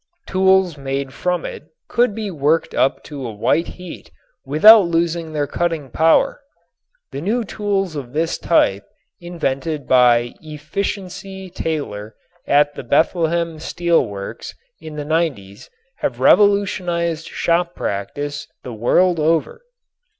Tools made from it could be worked up to a white heat without losing their cutting power. The new tools of this type invented by "Efficiency" Taylor at the Bethlehem Steel Works in the nineties have revolutionized shop practice the world over.